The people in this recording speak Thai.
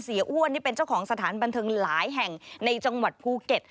อ้วนนี่เป็นเจ้าของสถานบันเทิงหลายแห่งในจังหวัดภูเก็ต